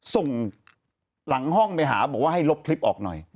ส่งหลังห้องไปหาบอกว่าให้ลบคลิปออกหน่อย